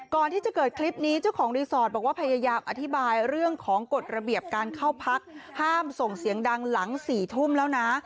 ก่อนที่จะเกิดคลิปนี้เจ้าของรีสอร์ทบอกว่าพยายามอธิบายเรื่องของกฎระเบียบการเข้าพักห้ามส่งเสียงดังหลัง๔ทุ่มแล้วนะ